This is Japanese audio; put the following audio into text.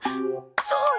そう。